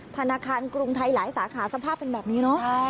ธนาคารกรุงไทยหลายสาขาสภาพเป็นแบบนี้เนอะ